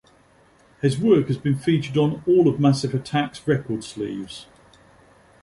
His work has been featured on all of Massive Attack's record sleeves.